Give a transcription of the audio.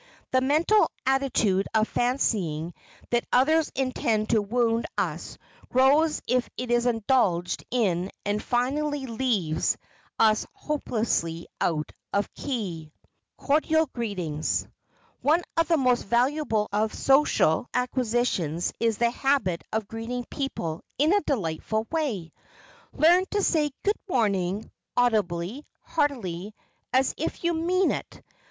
The mental attitude of fancying that others intend to wound us grows if it is indulged in and finally leaves us hopelessly out of key. [Sidenote: CORDIAL GREETINGS] One of the most valuable of social acquisitions is the habit of greeting people in a delightful way. Learn to say "Good morning!" audibly, heartily, as if you meant it.